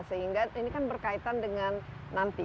sehingga ini kan berkaitan dengan nanti